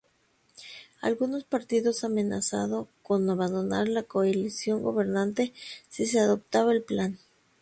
Algunos partidos amenazado con abandonar la coalición gobernante si se adoptaba el plan.